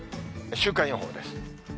週間予報です。